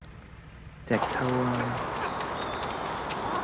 隻揪吖!